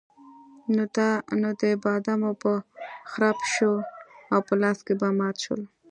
نو د بادامو به خرپ شو او په لاس کې به مات شول.